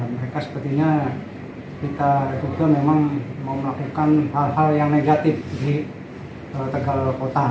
mereka sepertinya kita betul betul memang mau melakukan hal hal yang negatif di tegal kota